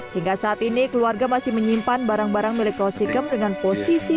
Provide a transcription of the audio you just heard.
hingga saat ini keluarga masih menyimpan barang barang milik rosikem dengan posisi